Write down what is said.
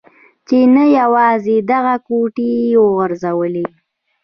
چې نه یوازې دغه کوټې يې و غورځولې.